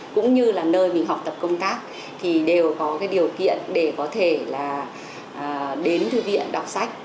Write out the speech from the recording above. cũng như là nơi mình học tập công tác thì đều có cái điều kiện để có thể là đến thư viện đọc sách